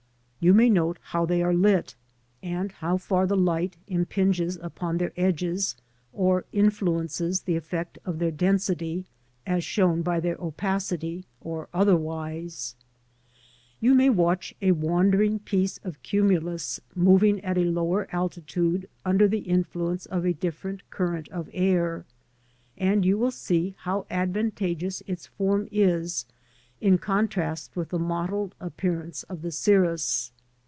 You may note how they are lit, and how 64 iHH LONHLY ROAD. m:*)\\ t:;f. {'AINTing rv ALihhij past, a.i^a. SKIES. 65 far the light impinges upon their edges, or influences the effect of their density, as shown by their opacity or otherwise. You may watch a wandering piece of cumulus moving at a lower altitude under the influence of a different current of air, and you will see how advantageous its form is in contrast with the mottled appear ance of the cirrus.